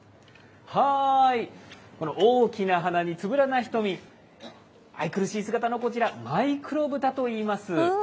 この大きな鼻につぶらな瞳、愛くるしい姿のこちら、マイクロブタといいます。